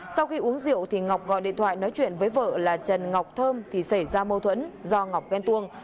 sau khi uống rượu thì ngọc gọi điện thoại nói chuyện với vợ là trần ngọc thơm thì xảy ra mâu thuẫn do ngọc ghen tuông